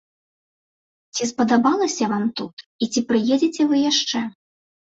Ці спадабалася вам тут, і ці прыедзеце вы яшчэ?